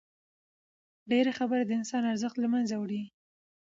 ډېري خبري د انسان ارزښت له منځه وړي.